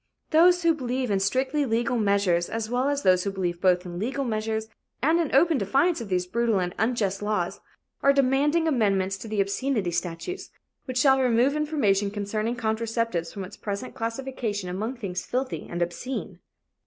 Those who believe in strictly legal measures, as well as those who believe both in legal measures and in open defiance of these brutal and unjust laws, are demanding amendments to the obscenity statutes, which shall remove information concerning contraceptives from its present classification among things filthy and obscene.